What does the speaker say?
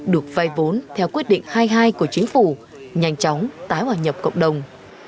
được vay vốn theo quyết định hai mươi hai của chính phủ nhanh chóng tái hòa nhập cộng đồng